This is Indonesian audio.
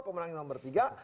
pemenangnya nomor tiga